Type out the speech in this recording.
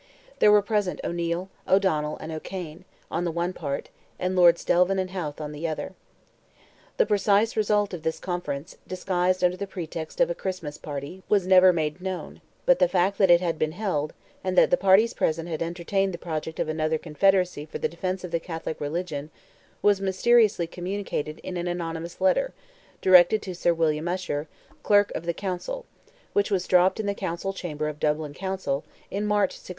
There were present O'Neil, O'Donnell, and O'Cane, on the one part, and Lords Delvin and Howth on the other. The precise result of this conference, disguised under the pretext of a Christmas party, was never made known, but the fact that it had been held, and that the parties present had entertained the project of another confederacy for the defence of the Catholic religion, was mysteriously communicated in an anonymous letter, directed to Sir William Usher, Clerk of the Council, which was dropped in the Council Chamber of Dublin Castle, in March, 1607.